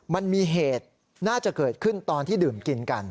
มันมีเหตุน่าจะเกิดขึ้นตอนที่ดื่มกินกัน